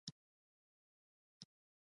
چینایان د سیاحت صنعت ته وده ورکوي.